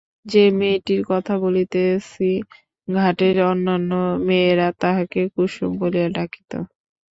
যে মেয়েটির কথা বলিতেছি ঘাটের অন্যান্য মেয়েরা তাহাকে কুসুম বলিয়া ডাকিত।